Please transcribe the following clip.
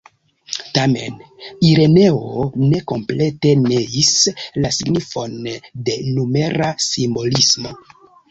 Tamen Ireneo ne komplete neis la signifon de numera simbolismo.